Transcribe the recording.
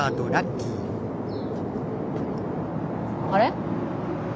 あれ？